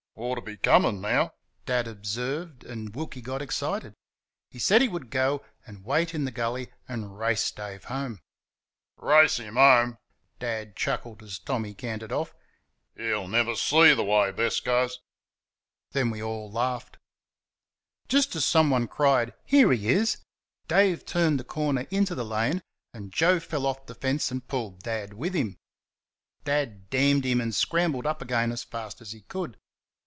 "Ought to be coming now," Dad observed, and Wilkie got excited. He said he would go and wait in the gully and race Dave home. "Race him home!" Dad chuckled, as Tommy cantered off, "he'll never see the way Bess goes." Then we all laughed. Just as someone cried "Here he is!" Dave turned the corner into the lane, and Joe fell off the fence and pulled Dad with him. Dad damned him and scrambled up again as fast as he could.